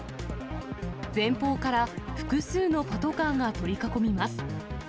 前方から複数のパトカーが取り囲みます。